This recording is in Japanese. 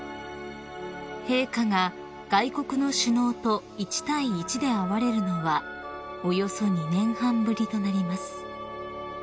［陛下が外国の首脳と一対一で会われるのはおよそ２年半ぶりとなります］